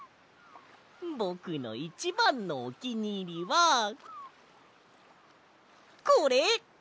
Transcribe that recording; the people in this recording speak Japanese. ぼくのいちばんのおきにいりはこれ！